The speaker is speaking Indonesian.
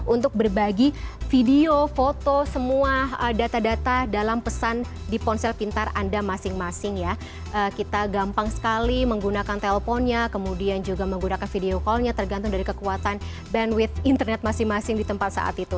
untuk berbagi video foto semua data data dalam pesan di ponsel pintar anda masing masing ya kita gampang sekali menggunakan telponnya kemudian juga menggunakan video callnya tergantung dari kekuatan bandwidh internet masing masing di tempat saat itu